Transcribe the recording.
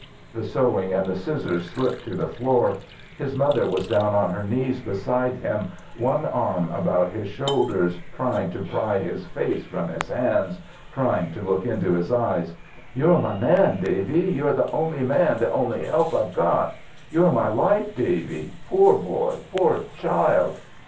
The sewing and the scissors slipped to the floor. His mother was down on her knees beside him, one arm about his shoulders, trying to pry his face from his hands, trying to look into his eyes. "You're my man, Davy! You're the only man, the only help I've got. You're my life, Davy. Poor boy! Poor child!"